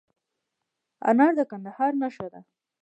انار د کندهار نښه ده.